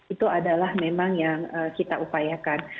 itu adalah memang yang kita upayakan